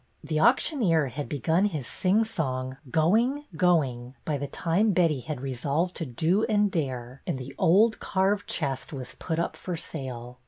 The auctioneer had begun his sing song Going, going,'^ by the time Betty had resolved to do and dare, and the old carved chest was put up for sale.